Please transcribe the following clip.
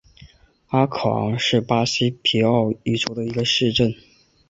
阿考昂是巴西皮奥伊州的一个市镇。